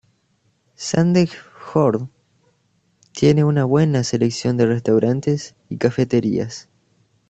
Sandefjord tienen una buena selección de restaurantes y cafeterías.